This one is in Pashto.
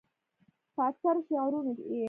پۀ اکثره شعرونو ئې